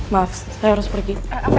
maaf saya harus pergi